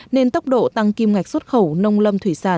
nên tốc độ tăng kim ngạch xuất khẩu nông lâm thủy sản